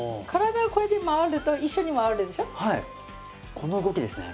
この動きですね。